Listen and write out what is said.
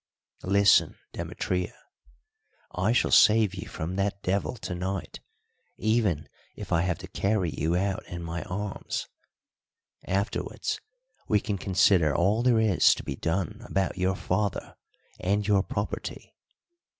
Listen, Demetria, I shall save you from that devil to night, even if I have to carry you out in my arms. Afterwards we can consider all there is to be done about your father and your property.